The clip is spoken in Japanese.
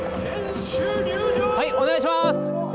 はいお願いします！